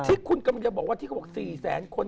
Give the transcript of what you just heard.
ที่คุณกำลังจะบอกว่าที่เขาบอก๔แสนคน